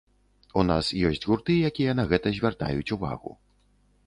У нас ёсць гурты, якія на гэта звяртаюць увагу.